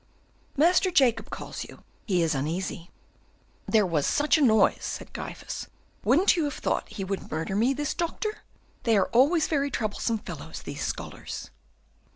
"Master Jacob calls you, he is uneasy." "There was such a noise," said Gryphus; "wouldn't you have thought he would murder me, this doctor? They are always very troublesome fellows, these scholars."